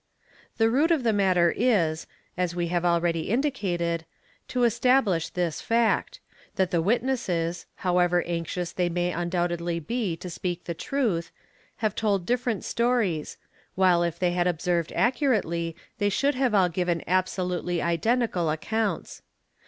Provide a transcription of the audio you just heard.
The root of the matter is, as we have already indicated, to establish this fact :—that the witnesses, however anxious they may undoubtedly be to speak the truth, have told different stories, while if they had observed: accurately, they should have all given absolutely identical accounts.